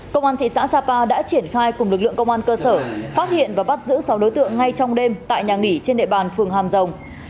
công an thị xã sapa đã triển khai cùng lực lượng công an cơ sở phát hiện và bắt giữ sáu đối tượng ngay trong đêm tại nhà nghỉ trên địa bàn phường hàm rồng